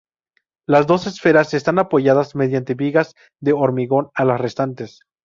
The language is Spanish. Las dos esferas están apoyadas mediante vigas de hormigón a las restantes.